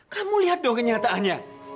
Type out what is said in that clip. kamu lihat dong kenyataannya